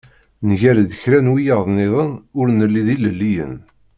Nger-d kra n wiyaḍ-nniḍen ur nelli d ilelliyen.